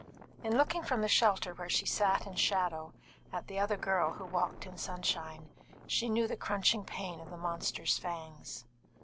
In looking from the shelter where she sat in shadow, at the other girl who walked in sunshine, she knew the crunching pain of the monster's fangs.